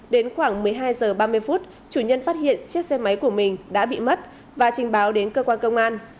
đến khoảng một mươi hai h ba mươi chủ nhân phát hiện chiếc xe máy của mình đã bị mất và trình báo đến cơ quan công an